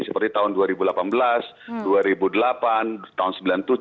seperti tahun dua ribu delapan belas dua ribu delapan tahun sembilan puluh tujuh sembilan puluh delapan